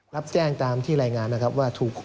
รับแจ้งตามที่รายงานนะครับว่าถูก